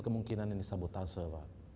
kemungkinan ini sabotase pak